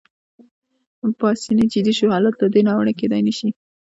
پاسیني جدي شو: حالت له دې ناوړه کېدای نه شي.